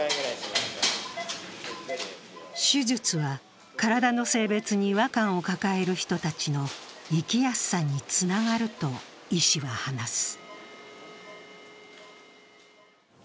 手術は体の性別に違和感を抱える人たちの生きやすさにつながると医師は話す。